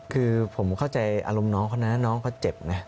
คือผมเข้าใจอารมณ์น้องเขานะน้องเขาเจ็บนะ